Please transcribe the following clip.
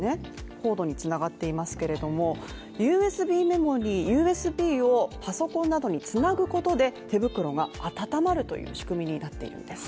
コードに繋がっていますけれども、ＵＳＢをパソコンなどに繋ぐことで、手袋が温まるという仕組みになっているんです。